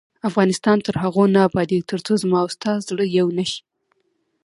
افغانستان تر هغو نه ابادیږي، ترڅو زما او ستا زړه یو نشي.